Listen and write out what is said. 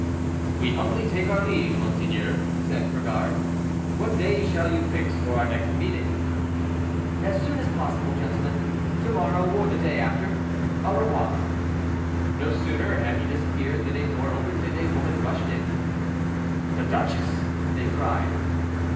"We humbly take our leave, monseigneur," said Brigard; "what day shall you fix for our next meeting?" "As soon as possible, gentlemen; to morrow, or the day after. Au revoir." No sooner had he disappeared than a door opened, and a woman rushed in. "The duchesse!" they cried.